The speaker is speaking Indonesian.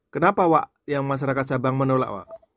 kenapa wak yang masyarakat sabang menolak